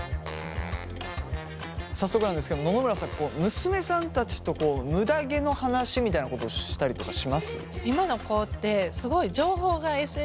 早速なんですけど野々村さん娘さんたちとむだ毛の話みたいなことしたりとかします？